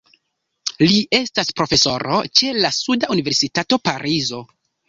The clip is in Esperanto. Li estas profesoro ĉe la suda universitato Parizo.